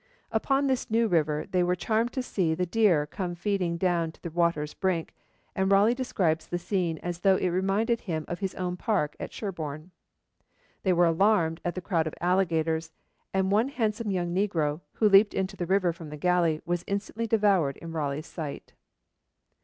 Upon this new river they were charmed to see the deer come feeding down to the water's brink, and Raleigh describes the scene as though it reminded him of his own park at Sherborne. They were alarmed at the crowds of alligators, and one handsome young negro, who leaped into the river from the galley, was instantly devoured in Raleigh's sight.